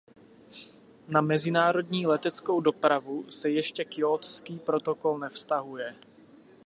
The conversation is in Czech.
Na mezinárodní leteckou dopravu se ještě Kjótský protokol nevztahuje.